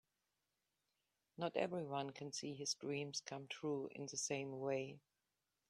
Not everyone can see his dreams come true in the same way.